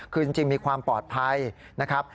คือจริงมีความปลอดภัยนะครับ